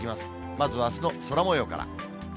まずあすの空もようから。